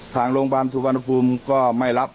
ทางโรงพยาบาลสุวรรณภูมิก็ไม่รับ